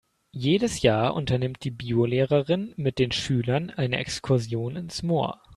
Jedes Jahr unternimmt die Biolehrerin mit den Schülern eine Exkursion ins Moor.